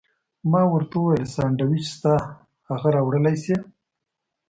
ما ورته وویل: سانډویچ شته، هغه راوړلی شې؟